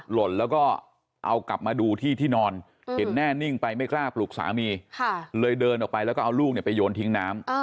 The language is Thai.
หล่นแล้วก็เอากลับมาดูที่ที่นอนเห็นแน่นิ่งไปไม่กล้าปลุกสามีเลยเดินออกไปแล้วก็เอาลูกไปโยนทิ้งน้ำ